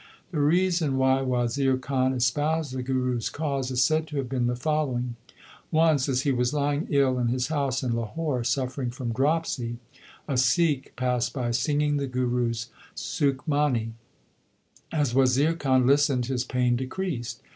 The reason why Wazir Khan espoused the Guru s cause is said to have been the following : Once as he was lying ill in his house in Lahore, suffering from dropsy, a Sikh passed by singing the Guru s Sukhmani. 2 As Wazir Khan listened his pain decreased.